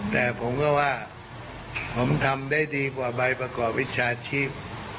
แต่ผมก็ว่าผมทำได้ดีกว่าใบประกอบวิชาชีพ